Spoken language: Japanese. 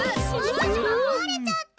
わしもこわれちゃった！